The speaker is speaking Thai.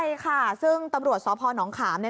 ใช่ค่ะซึ่งตำรวจสพนขามเนี่ย